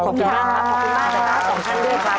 ขอบคุณมากสำคัญด้วยครับ